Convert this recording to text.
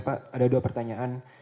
pak ada dua pertanyaan